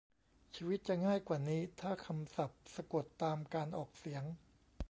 ชีวิตจะง่ายกว่านี้ถ้าคำศัพท์สะกดตามการออกเสียง